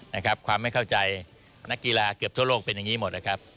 นะครับความไม่เข้าใจนักกีฬาเกือบทั่วโลกเป็นอย่างนี้หมดนะครับ